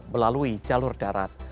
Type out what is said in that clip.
melalui jalur darat